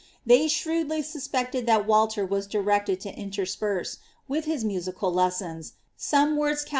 They shrewdly suspected that Walter was directed to intersperse, with his musical lessons, some 'Burnet, %'ol.